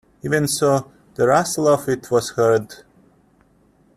Even so, the rustle of it was heard.